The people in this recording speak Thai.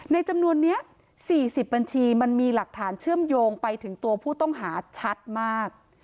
จำนวนนี้๔๐บัญชีมันมีหลักฐานเชื่อมโยงไปถึงตัวผู้ต้องหาชัดมาก